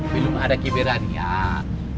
belum ada kiberanian